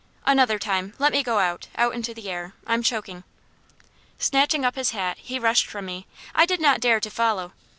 "Another time. Let me go out out into the air; I'm choking." Snatching up his hat, he rushed from me. I did not dare to follow.